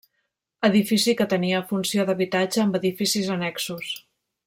Edifici que tenia funció d'habitatge amb edificis annexos.